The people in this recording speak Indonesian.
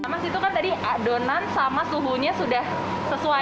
mas itu kan tadi adonan sama suhunya sudah sesuai